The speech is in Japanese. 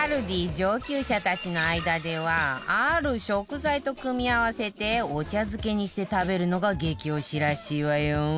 上級者たちの間ではある食材と組み合わせてお茶漬けにして食べるのが激推しらしいわよ